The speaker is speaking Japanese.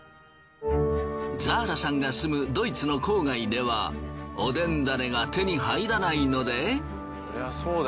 ザーラさんが住むドイツの郊外ではおでんダネが手に入らないので。